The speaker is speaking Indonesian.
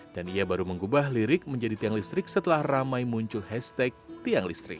dan ia baru mengubah lirik menjadi tiang listrik setelah ramai muncul hashtag tiang listrik